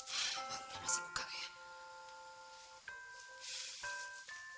baru lama saya buka ya